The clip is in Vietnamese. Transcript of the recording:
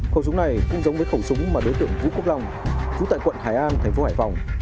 khẩu súng này cũng giống với khẩu súng mà đối tượng vũ quốc long chú tại quận hải an thành phố hải phòng